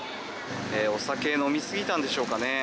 お酒飲みすぎたんでしょうかね。